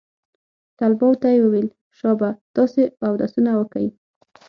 طلباو ته يې وويل شابه تاسې اودسونه وکئ.